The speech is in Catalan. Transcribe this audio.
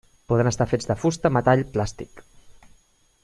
Poden estar fets de fusta, metall, plàstic.